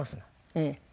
ええ。